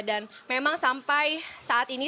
dan memang sampai saat ini